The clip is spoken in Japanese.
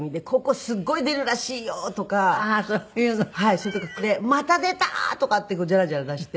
それとか「また出た！」とかってジャラジャラ出して。